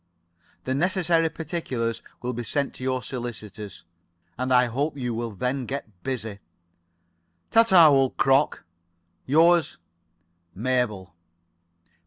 "The necessary particulars will be sent to your solicitors, and I hope you will then get busy. "Ta ta, old crock. Yours, Mabel.